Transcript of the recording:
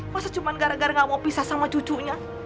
masa cuma gara gara gak mau pisah sama cucunya